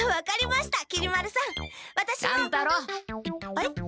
はい？